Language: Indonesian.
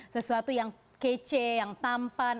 sesuatu yang kece yang tampan